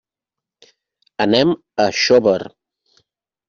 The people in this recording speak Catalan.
Anem a Xóvar.